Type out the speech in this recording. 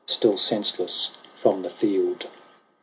Still senseless, from the field.